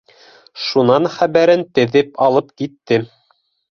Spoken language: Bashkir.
Шунан хәбәрен теҙеп алып китте: